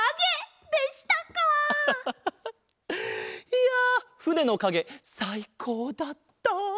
いやふねのかげさいこうだった！